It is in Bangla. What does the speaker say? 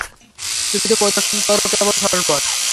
তুমি তো প্রদর্শন কর কেবল সরল পথ।